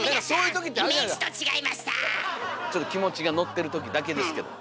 ちょっと気持ちがのってるときだけですけど。